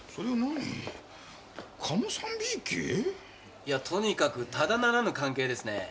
いやとにかくただならぬ関係ですね。